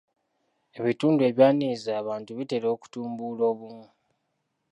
Ebitundu ebyaniriza abantu bitera okutumbula obumu.